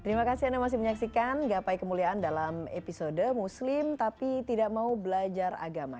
terima kasih anda masih menyaksikan gapai kemuliaan dalam episode muslim tapi tidak mau belajar agama